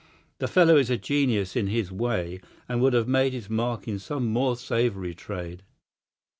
The fellow is a genius in his way, and would have made his mark in some more savoury trade.